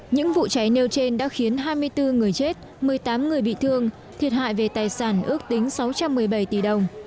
những vụ cháy nêu trên đã khiến hai mươi bốn người chết một mươi tám người bị thương thiệt hại về tài sản ước tính sáu trăm một mươi bảy tỷ đồng